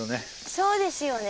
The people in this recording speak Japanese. そうですよね。